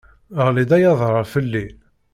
Ɣli-d ay adrar fell-i!